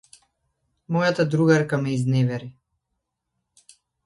Мојата другарка ме изневери.